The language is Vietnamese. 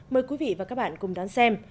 mời quý vị và các bạn cùng đón xem